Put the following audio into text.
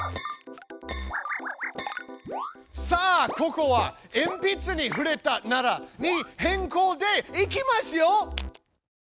さあここは「えんぴつに触れたなら」に変こうでいきますよ！